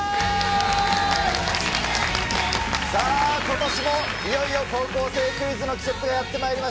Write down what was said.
さぁ今年もいよいよ『高校生クイズ』の季節がやってまいりました。